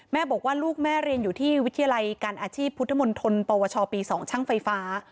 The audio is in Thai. แม่บอกว่าลูกแม่เรียนอยู่ที่วิทยาลัยการอาชีพพุทธมนตรปวชปี๒ช่างไฟฟ้า